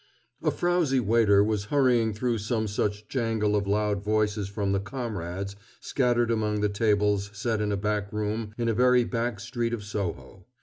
A frowsy waiter was hurrying through some such jangle of loud voices from the "comrades" scattered among the tables set in a back room in a very back street of Soho.